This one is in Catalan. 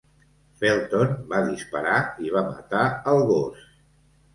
Felton va disparar i va matar el gos.